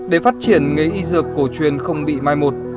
để phát triển nghề y dược cổ truyền không bị mai một